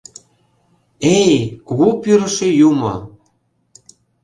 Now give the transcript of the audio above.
Эй, кугу пӱрышӧ юмо!